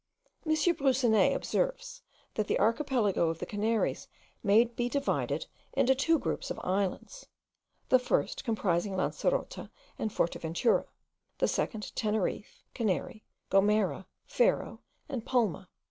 M. Broussonnet observes, that the archipelago of the Canaries may be divided into two groups of islands; the first comprising Lancerota and Forteventura, the second Teneriffe, Canary, Gomera, Ferro, and Palma.